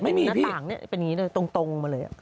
ไม่มีหน้าผางเป็นอย่างนี้เลยตรงมาเลย